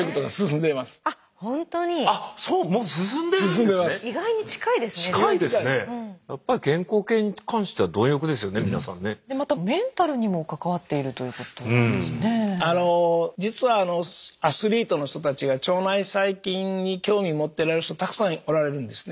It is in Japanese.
でまた実はアスリートの人たちが腸内細菌に興味持っておられる人たくさんおられるんですね。